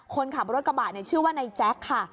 คนขับรถกระบะชื่อว่านายแจ๊คค่ะ